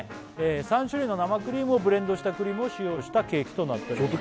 ３種類の生クリームをブレンドしたクリームを使用したケーキとなっております